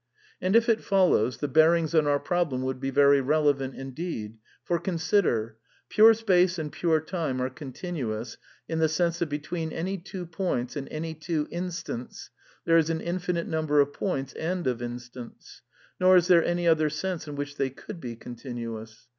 And if it follows, the bearings on our problem would be very relevant indeed. For, consider. Pure space and pure time are continuous, in the sense that between any two points and any two instants there is an infinite num ber of points and of instants ; nor is there any other sense in which they could be continuous.